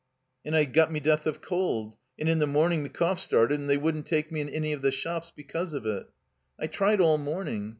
And I got me death of cold. And in the morning me cough started, and they wouldn't take me in any of the shops because of it. ''I tried all morning.